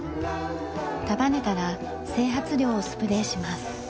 束ねたら整髪料をスプレーします。